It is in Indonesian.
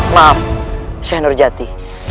maaf syekh nurjati